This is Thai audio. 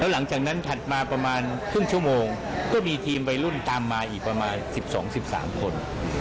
หลังจากนั้นถัดมาประมาณครึ่งชั่วโมงก็มีทีมวัยรุ่นตามมาอีกประมาณ๑๒๑๓คน